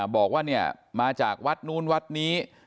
บอกว่ามาจากวัดโรนนี้